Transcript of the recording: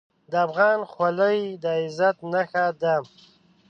د افغان خولۍ د عزت نښه ده.